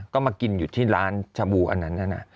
ก็มากินอยู่ที่ร้านชาบูอันนั้น